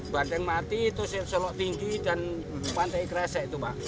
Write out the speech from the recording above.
banteng mati solok tinggi dan pantai kresa itu pak